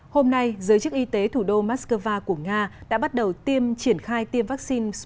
hôm nay giới chức y tế thủ đô moscow của nga đã bắt đầu tiêm triển khai tiêm vaccine sputnik v cho